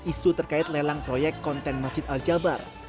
isu terkait lelang proyek konten masjid al jabar